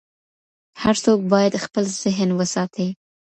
هر څوک باید خپل ذهن وساتي.